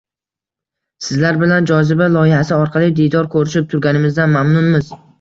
Sizlar bilan Joziba loyihasi orqali diydor ko‘rishib turganimizdan mamnunmiz.